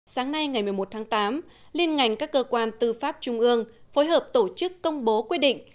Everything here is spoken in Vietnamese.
sáng nay ngày một mươi một tháng tám liên ngành các cơ quan tư pháp trung ương phối hợp tổ chức công bố quyết định